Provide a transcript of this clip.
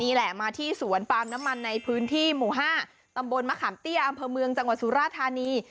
นี่แหละมาที่สวนปาล์มน้ำมันในพื้นที่หมู่๕ตำบลมะขามเตี้ยอำเภอเมืองจังหวัดสุราธานี